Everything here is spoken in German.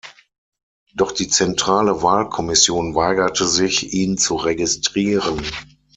Doch die Zentrale Wahlkommission weigerte sich, ihn zu registrieren.